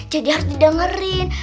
jadi harus didengerin